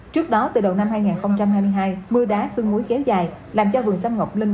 trước đó từ đầu năm hai nghìn hai mươi hai mưa đá xương múi kéo dài làm cho vườn xăm ngọc linh